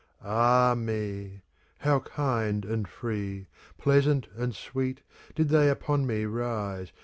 Ah me ! how kind and free. Pleasant and sweet, did they upon me rise.